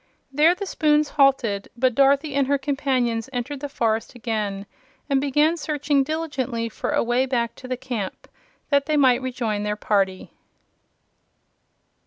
There the spoons halted; but Dorothy and her companions entered the forest again and began searching diligently for a way back to the camp, that they might rejoin their party.